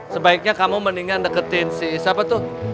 sebaiknya kamu mendingan deketin si siapa tuh